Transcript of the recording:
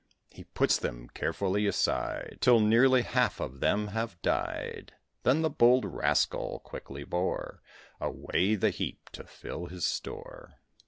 He puts them carefully aside, Till nearly half of them have died; Then the bold rascal quickly bore Away the heap, to fill his store.